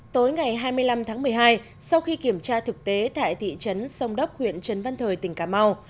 tối ngày hai mươi năm tháng một mươi hai sau khi kiểm tra thực tế tại thị trấn sông đốc huyện trần văn thời tỉnh cà mau